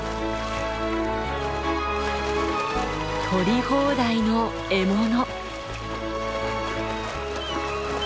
取り放題の獲物。